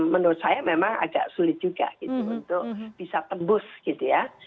menurut saya memang agak sulit juga gitu untuk bisa tembus gitu ya